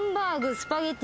スパゲティ。